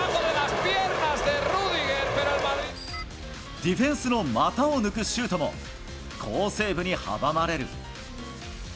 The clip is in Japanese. ディフェンスの股を抜くシュートも、好セーブに阻まれる。